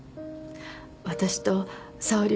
私と沙織は。